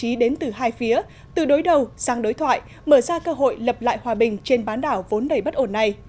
hàn quốc đã tiện trí đến từ hai phía từ đối đầu sang đối thoại mở ra cơ hội lập lại hòa bình trên bán đảo vốn đầy bất ổn này